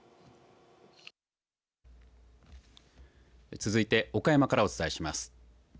続いて岡山からお伝えします。